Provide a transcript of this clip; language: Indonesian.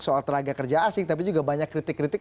soal tenaga kerja asing tapi juga banyak kritik kritik